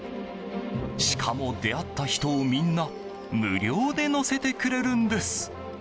しかも出会った人をみんな無料で乗せてくれるんです。